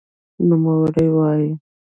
نوموړې وايي